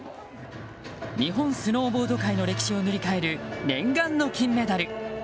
日本スノーボード界の歴史を塗り替える念願の金メダル。